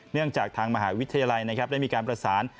เนื่องจากทางมหาวิทยาลัยได้มีการประสาน